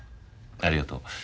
ありがとう。